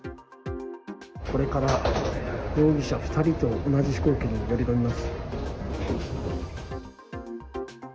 これから容疑者２人と同じ飛行機に乗り込みます。